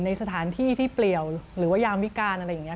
ในสถานที่ที่เปลี่ยวหรือว่ายามวิการอะไรอย่างนี้